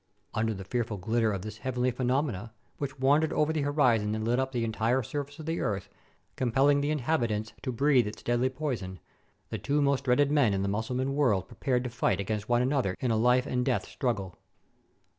Under the fearful ghtter of this heavenly phe nomenon, which wandered over the horizon and lit up the entire surface of the earth, compelling the inhabit ants to breathe its deadly poison, the two most dreaded men in the Mussulman world prepared to fight against one another in a life and death struggle.